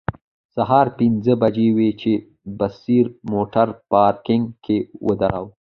سهار پنځه بجې وې چې بصیر موټر پارکینګ کې ودراوه.